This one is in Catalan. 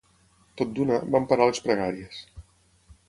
Tot d'una, van parar les pregàries.